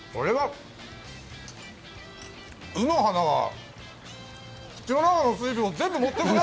卯の花が口の中の水分を全部持っていくね。